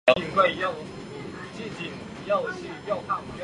书写温柔又疏离的人间剧场。